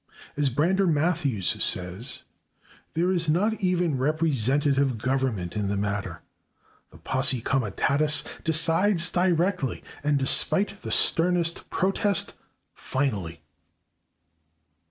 As Brander Matthews says, there is not even representative government in the matter; the /posse comitatus/ decides directly, and despite the sternest protest, finally.